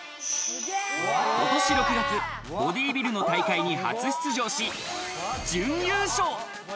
今年６月、ボディビルの大会に初出場し、準優勝。